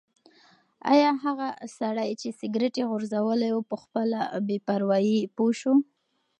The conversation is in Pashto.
ایا هغه سړی چې سګرټ یې غورځولی و په خپله بې پروايي پوه شو؟